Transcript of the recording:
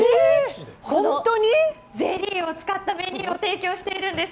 このゼリーを使ったメニューを提供しているんです。